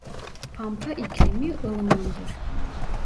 Pampa iklimi ılımandır.